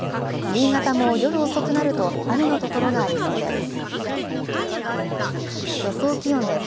新潟も夜遅くなると雨の所がありそうです。